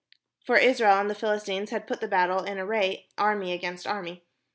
For Israel and the PhiUstines had put the battle in ar ray, army against army.